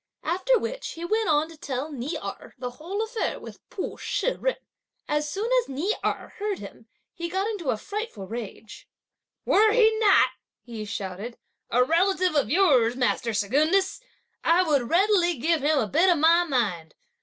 After which, he went on to tell Ni Erh the whole affair with Pu Shih jen. As soon as Ni Erh heard him, he got into a frightful rage; "Were he not," he shouted, a "relative of yours, master Secundus, I would readily give him a bit of my mind!